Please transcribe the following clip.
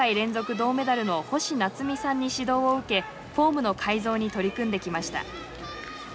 銅メダルの星奈津美さんに指導を受けフォームの改造に取り組んできました。